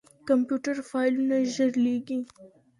کمپيوټر فايلونه ژر لېږي.